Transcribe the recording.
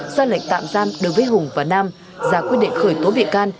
ra lệnh tạm giam đối với hùng và nam ra quyết định khởi tố bị can